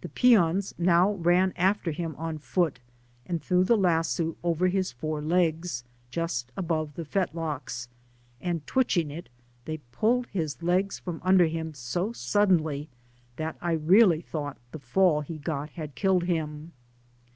The peons now ran after him on foot, and threw the lasso over his four legs, just above the fetlocks, and, twitching it, they pulled his legs from under him so suddenly, that I really thought the fall he got had killed him.